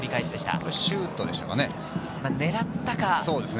これシュートでしたかね。